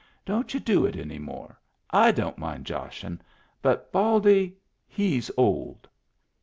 " Don't you do it any more. I don't mind joshin', but Baldy — he's old."